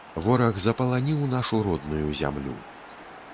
Вораг запаланіў нашу родную зямлю.